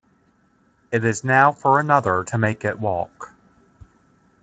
It is now for another to make it walk.